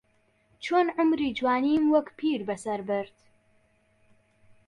چۆن عومری جوانیم وەک پیربەسەر برد